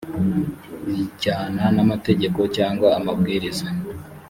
bijyana n amategeko cyangwa amabwiriza